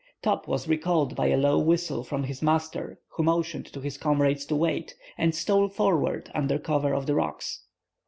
Top was recalled by a low whistle from his master, who motioned to his comrades to wait, and stole forward under cover of the rocks.